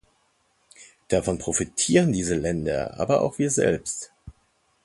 Davon profitieren diese Länder, aber auch wir selbst.